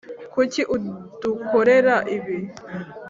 kuki udukorera ibi?